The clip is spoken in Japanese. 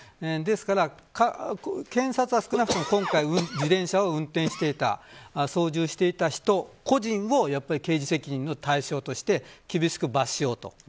ですから、検察は少なくとも今回自転車を運転していた操縦していた人個人を刑事責任の対象として厳しく罰しようと。